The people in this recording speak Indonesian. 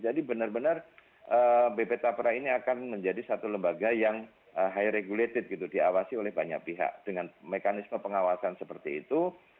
jadi benar benar bp tapra ini akan menjadi satu lembaga yang high regulated gitu diawasi oleh banyak pihak dengan mekanisme pengawasan seperti itu